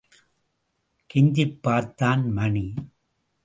கெஞ்சிப் பார்த்தான் மணி.